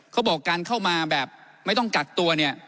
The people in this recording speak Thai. เขาบอกการเข้ามาแบบไม่ต้องกักตัวเนี่ย